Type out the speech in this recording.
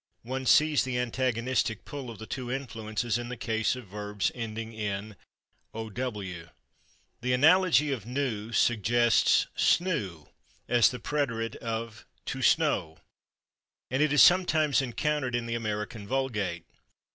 One sees the antagonistic pull of the two influences in the case of verbs ending in / ow/. The analogy of /knew/ suggests /snew/ as the preterite of /to snow/, and it is sometimes encountered in the American vulgate.